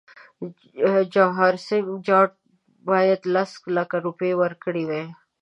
جواهرسینګه جاټ باید لس لکه روپۍ ورکړي وای.